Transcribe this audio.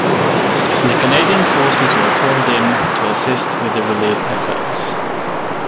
The Canadian Forces were called in to assist with the relief efforts.